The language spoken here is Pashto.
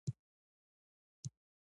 وګړي د افغانستان د جغرافیې بېلګه ده.